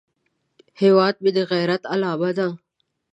هیواد مې د غیرت علامه ده